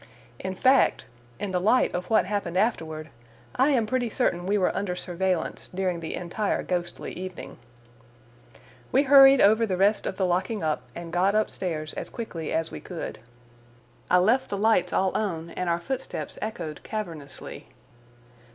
In fact, in the light of what happened afterward, I am pretty certain we were under surveillance during the entire ghostly evening. We hurried over the rest of the locking up and got upstairs as quickly as we could. I left the lights all on, and our footsteps echoed cavernously.